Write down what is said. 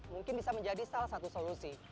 mungkin bisa menjadi salah satu solusi